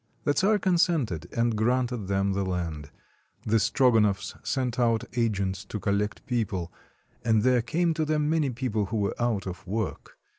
The czar consented, and granted them the land. The Strogonoffs sent out agents to collect people. And there came to them many people who were out of work.